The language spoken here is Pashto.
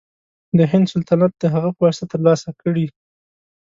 د هند سلطنت د هغه په واسطه تر لاسه کړي.